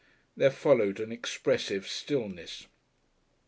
There followed an expressive stillness.